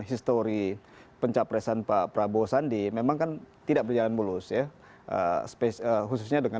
histori pencapresan pak prabowo sandi memang kan tidak berjalan mulus ya khususnya dengan